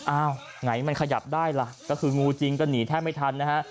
ไหนมันขยับได้ล่ะก็คืองูจริงก็หนีแทบไม่ทันนะฮะ